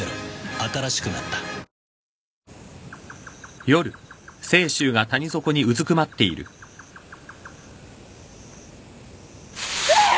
新しくなったうわぁ！？